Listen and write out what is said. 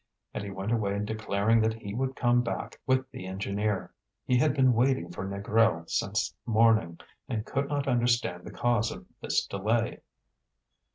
And he went away declaring that he would come back with the engineer. He had been waiting for Négrel since morning, and could not understand the cause of this delay.